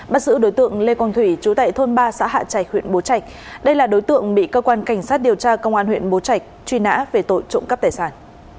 bắt giữ đối tượng lê quang thủy chú tại thôn ba xã hạ trạch huyện bố trạch đây là đối tượng bị cơ quan cảnh sát điều tra công an huyện bố trạch truy nã về tội trộm cắp tài sản